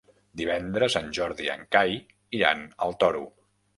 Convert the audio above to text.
Divendres en Jordi i en Cai iran al Toro.